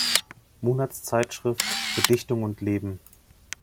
Monatszeitschrift für Dichtung und Leben".